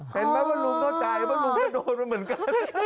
เห็นไหมว่าลุงเข้าใจว่าลุงก็โดนมาเหมือนกัน